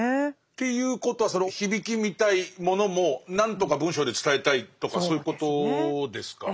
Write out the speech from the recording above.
っていうことはその響きみたいものも何とか文章で伝えたいとかそういうことですか。